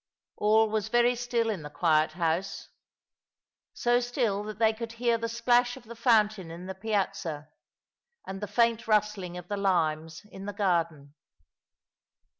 All was very still in the quiet house ; so still that they could hear the splash of the fountain in the Piazza, and the faint rustling of the limes in the garden.